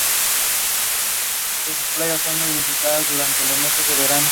Estos tuvieron tres hijos y de ellos nació el resto de los seres humanos.